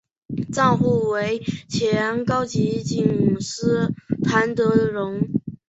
丈夫为前高级警司谭德荣。